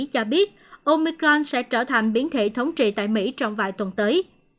cho biết omicron sẽ trở thành biến khỉ thống trị tại mỹ trong vài tuần tới